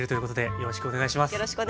よろしくお願いします。